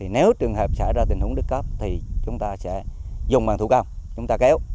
nếu trường hợp xảy ra tình huống đứt cấp thì chúng ta sẽ dùng bằng thủ công chúng ta kéo